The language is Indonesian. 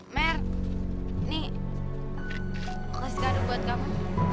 mer ini kasih kadang buat kamu